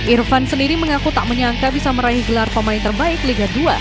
irfan sendiri mengaku tak menyangka bisa meraih gelar pemain terbaik liga dua